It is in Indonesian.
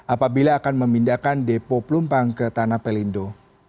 apabila akan memindahkan depo pelumpang ke tanah pelindo